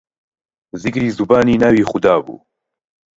زیکری زوبانی ناوی خودابوو